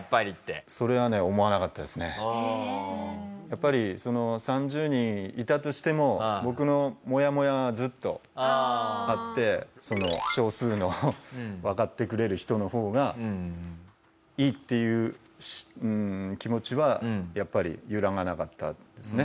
やっぱりその３０人いたとしても僕のモヤモヤはずっとあってその少数のわかってくれる人の方がいいっていう気持ちはやっぱり揺らがなかったですね。